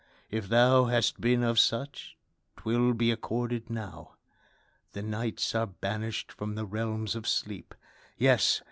if thou Hast been of such, 'twill be accorded now. Thy nights are banished from the realms of sleep: Yes!